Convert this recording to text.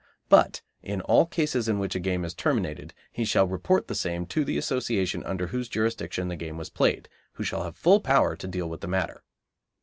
But in all cases in which a game is terminated he shall report the same to the Association under whose jurisdiction the game was played, who shall have full power to deal with the matter.